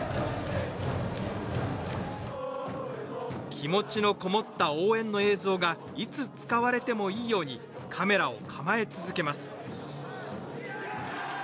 気持ちのこもった応援の映像がいつ使われてもいいようにカメラを構え続けます。